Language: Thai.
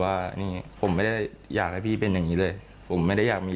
ว่านี่ผมไม่ได้อยากให้พี่เป็นอย่างงี้เลยผมไม่ได้อยากมี